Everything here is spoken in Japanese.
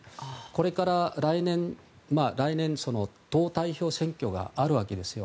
これから来年、党代表選挙があるわけですよ。